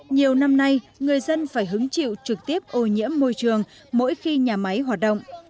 nhiều năm nay người dân phải hứng chịu trực tiếp ô nhiễm môi trường mỗi khi nhà máy hoạt động